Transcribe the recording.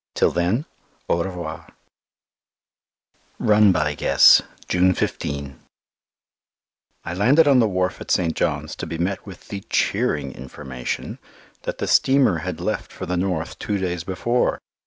Till then, au revoir. Run by Guess, June 15 I landed on the wharf at St. John's to be met with the cheering information that the steamer had left for the north two days before.